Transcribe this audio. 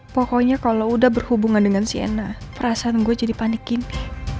pokoknya kalo udah berhubungan dengan sienna perasaan gue jadi panik gini